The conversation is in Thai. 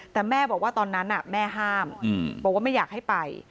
แต่แม่บอกว่าตอนนั้นแม่ห้ามบอกว่าไม่อยากให้ไป